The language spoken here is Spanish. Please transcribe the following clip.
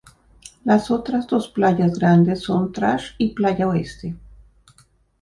Las otras dos playas grandes son Trash y Playa Oeste.